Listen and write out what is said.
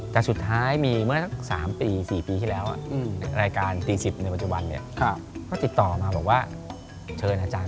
เชิญอาจารย์ไปออก